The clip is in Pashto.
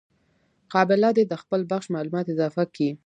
قابله دي د خپل بخش معلومات اضافه کي.